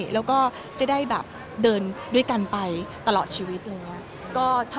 แล้วก็จะได้แบบเดินด้วยกันไปตลอดชีวิต